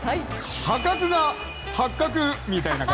破格が発覚！みたいな。